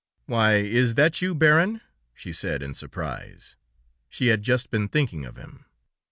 "Why! Is that you, Baron?" she said, in surprise. She had just been thinking of him.